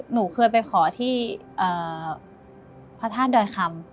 หนูเคยไปขอที่พระธาตุดอยคำ